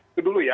itu dulu ya